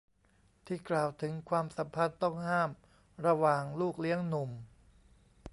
ที่กล่าวถึงความสัมพันธ์ต้องห้ามระหว่างลูกเลี้ยงหนุ่ม